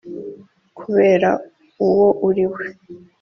kubera uwo uri we